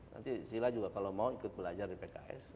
nanti sila juga kalau mau ikut belajar di pks